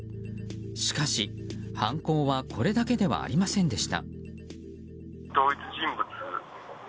しかし、犯行はこれだけではありませんでした。